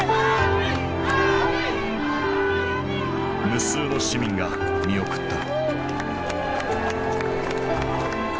無数の市民が見送った。